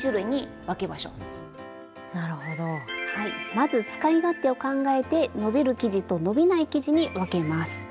まず使い勝手を考えて伸びる生地と伸びない生地に分けます。